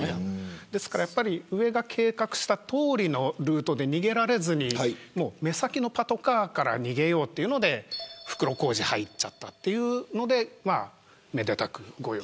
ですからやっぱり上が計画したとおりのルートで逃げられず目先のパトカーから逃げようということで袋小路に入ってしまったというのでめでたくご用。